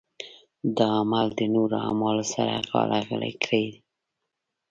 دا عمل د نورو اعمالو سره غاړه غړۍ کړي.